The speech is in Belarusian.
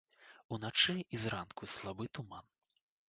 Уначы і зранку слабы туман.